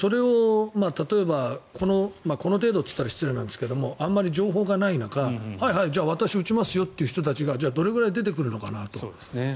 それを例えばこの程度と言ったら失礼なんですけどあまり情報がない中はいはい、私打ちますよという人がじゃあどれぐらい出てくるのかと。